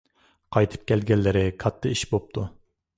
قايتىپ كەلگەنلىرى كاتتا ئىش بوپتۇ.